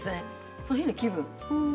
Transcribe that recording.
その日の気分。